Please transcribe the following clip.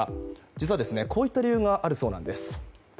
実はこういった理由があるそうなんです。